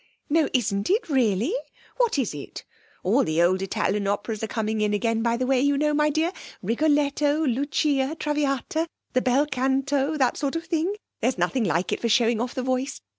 No, isn't it really? What is it? All the old Italian operas are coming in again, by the way, you know, my dear... Rigoletto, Lucia, Traviata the bel canto that sort of thing; there's nothing like it for showing off the voice.